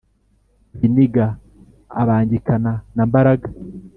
Biniga abangikana na Mbaraga,